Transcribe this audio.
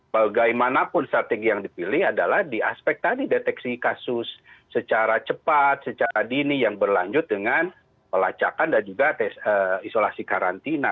bagaimanapun strategi yang dipilih adalah di aspek tadi deteksi kasus secara cepat secara dini yang berlanjut dengan pelacakan dan juga isolasi karantina